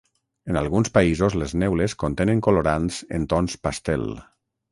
En alguns països les neules contenen colorants en tons pastel.